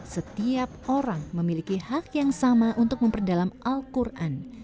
setiap orang memiliki hak yang sama untuk memperdalam al quran